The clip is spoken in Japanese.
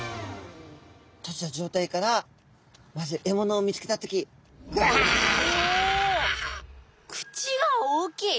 閉じた状態からまず獲物を見つけた時口が大きい！